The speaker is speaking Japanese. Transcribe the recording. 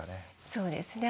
そうですね。